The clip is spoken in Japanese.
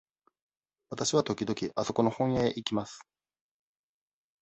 わたしは時々あそこの本屋へ行きます。